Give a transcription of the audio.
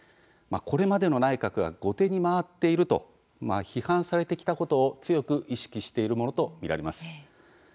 これまでの内閣が後手に回っていると批判されてきたことを強く意識しているものと見られます。